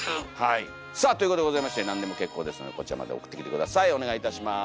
さあということでございまして何でも結構ですのでこちらまで送ってきて下さいお願いいたします。